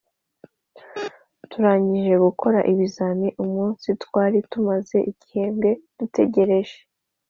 turangije gukora ibizamini, umunsi twari tumaze igihembwe dutegereje